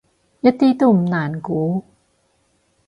一啲都唔難估